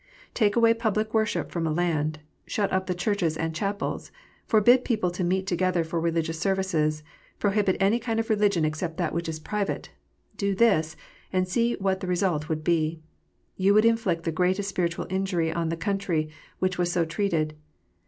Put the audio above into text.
Take away public worship from a land, shut up the churches and chapels, forbid people to meet together for religious services, prohibit any kind of religion except that which is private, do this, and see what the result would be. You would inflict the greatest spiritual injury on the country which was so treated.